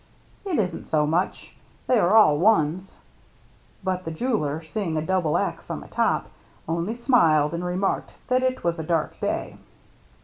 " It isn't so much. They are most all ones." But the jeweller, seeing a double X on the top, only smiled and remarked that it was a dark day.